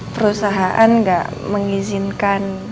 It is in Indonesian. perusahaan gak mengizinkan